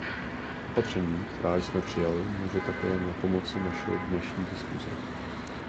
Opatřením, která jsme přijali, může také napomoci naše dnešní diskuse.